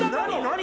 何？